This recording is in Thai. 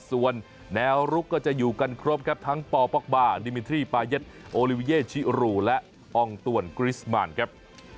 ส่วนแนวลุกก็จะอยู่กันครบครับทั้งปป๊อกบาร์ดิมิทรี่ปาเย็ดโอลิวิเย่ชิรูและอองตวนกริสมานครับ